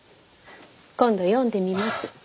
今度読んでみます。